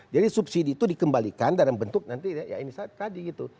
jadi subsidi itu dikembalikan dalam bentuk nanti ya ini tadi gitu